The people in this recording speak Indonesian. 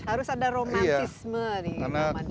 harus ada romantisme di nama desa